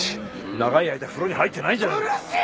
長い間風呂に入ってないんじゃうるせえ！